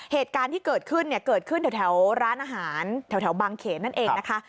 เหตุการณ์ที่เกิดขึ้นเนี่ยเกิดขึ้นแถวร้านอาหารแถวบางเขนนั่นเองนะคะ